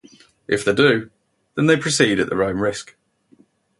If they do, then they proceed at their own risk.